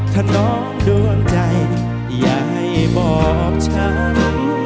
ถ้าน้องดวงใจอย่าให้บอกฉัน